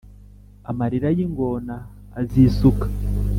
Amarira y'ingona azisuka